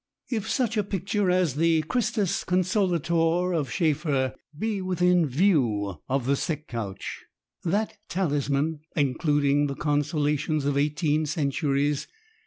If such a picture as the Chbistus Consolatob of Scheffer be within view of the sick couch — (that talisman, including the consolations of eighteen centuries